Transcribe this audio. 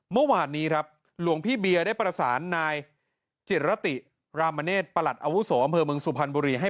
เมื่อวานนี้ครับหลวงพี่เบียร์ได้ประสานนายจิตรติรามเนศประหลัดอาวุโสอำเภอเมืองสุพรรณบุรีให้